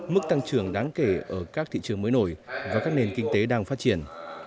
mức tăng trưởng đáng kể ở các thị trường mới nổi và các nền kinh tế đang phát triển